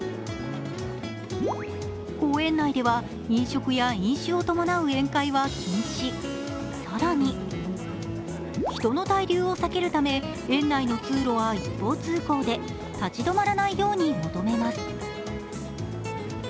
公園内では飲食や飲酒を伴う宴会は禁止、更に人の滞留を避けるため、園内の通路は一方通行で立ち止まらないように求めます。